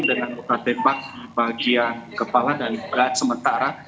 dengan tempat bagian kepala dan belakang sementara